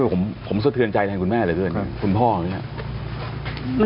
ผมสะเทือนใจแรงคุณแม่แหละเพื่อนคุณพ่ออย่างนี้